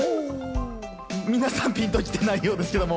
皆さん、ピンときてないようですけれども。